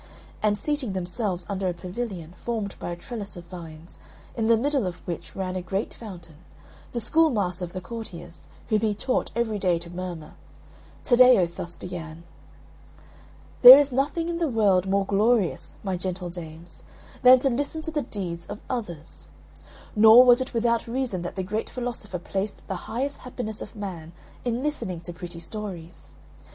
And seating themselves under a pavilion, formed by a trellis of vines, in the middle of which ran a great fountain the schoolmaster of the courtiers, whom he taught everyday to murmur Taddeo thus began: "There is nothing in the world more glorious, my gentle dames, than to listen to the deeds of others; nor was it without reason that the great philosopher placed the highest happiness of man in listening to pretty stories.